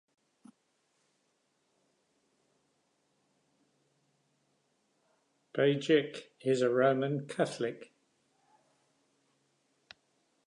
Begich is a Roman Catholic.